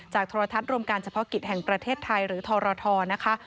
โทรทัศน์รวมการเฉพาะกิจแห่งประเทศไทยหรือทรทนะคะ